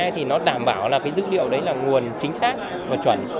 thì nó đảm bảo là cái dữ liệu đấy là nguồn chính xác và chuẩn